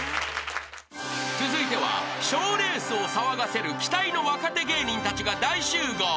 ［続いては賞レースを騒がせる期待の若手芸人たちが大集合］